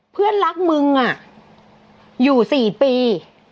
เพื่อนรักมึงอยู่๔ปี